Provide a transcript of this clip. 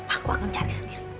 aku akan cari sendiri